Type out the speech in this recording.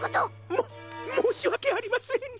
もっもうしわけありません！